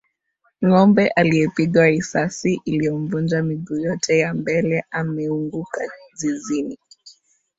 Ng'ombe aliyepigwa risasi iliyomvunja miguu yote ya mbele ameunguka zizini.